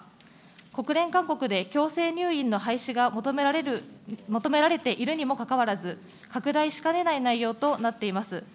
国連各国で強制入院の廃止が求められているにもかかわらず、拡大しかねない内容となっています。